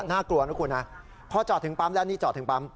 น่ากลัวนะคุณนะพอจอดถึงปั๊มแล้วนี่จอดถึงปั๊ม